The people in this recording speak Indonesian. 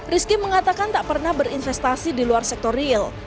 rizky mengatakan tak pernah berinvestasi di luar sektor real